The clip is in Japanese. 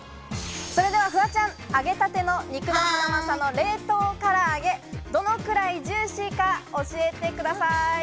フワちゃん、揚げたての肉のハナマサの冷凍唐揚げ、どのくらいジューシーか教えてください。